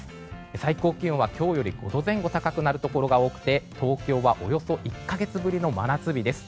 最高気温は今日より５度前後高くなるところが多く東京はおよそ１か月ぶりの真夏日です。